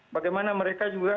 bagaimana mereka juga